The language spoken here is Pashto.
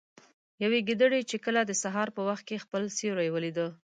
يوې ګيدړې چې کله د سهار په وخت كې خپل سيورى وليده